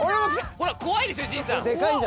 ほら怖いでしょ陣さん。